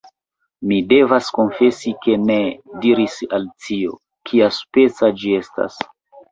"Mi devas konfesi ke ne," diris Alicio. "Kiaspeca ĝi estas?"